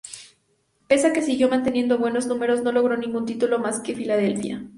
Pese a que siguió manteniendo buenos números no logró ningún título más con Philadelphia.